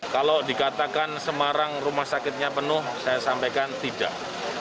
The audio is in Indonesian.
kalau dikatakan semarang rumah sakitnya penuh saya sampaikan tidak